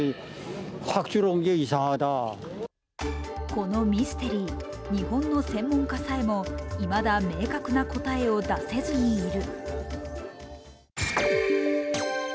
このミステリー、日本の専門家さえもいまだ明確な答えを出せずにいる。